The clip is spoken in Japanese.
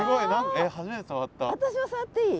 私も触っていい？